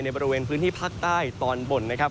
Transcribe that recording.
บริเวณพื้นที่ภาคใต้ตอนบนนะครับ